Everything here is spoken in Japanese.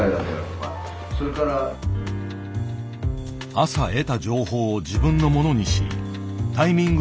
朝得た情報を自分のものにしタイミング